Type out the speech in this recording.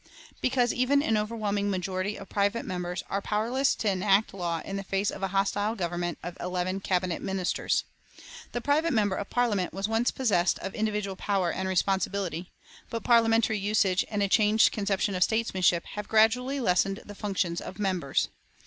Because even an overwhelming majority of private members are powerless to enact law in the face of a hostile Government of eleven cabinet ministers. The private member of Parliament was once possessed of individual power and responsibility, but Parliamentary usage and a changed conception of statesmanship have gradually lessened the functions of members.